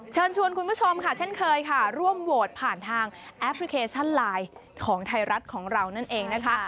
เชิญชวนคุณผู้ชมค่ะเช่นเคยค่ะร่วมโหวตผ่านทางแอปพลิเคชันไลน์ของไทยรัฐของเรานั่นเองนะคะ